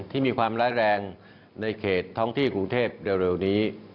ที่มีความร้ายแรงในเขตท้องที่กรุงเทพเร็วนี้